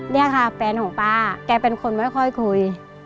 นี่ค่ะแฟนของป้าแกเป็นคนไม่ค่อยคุย